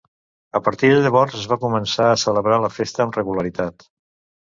A partir de llavors es va començar a celebrar la festa amb regularitat.